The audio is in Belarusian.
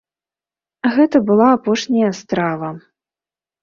Гэта была апошняя страва.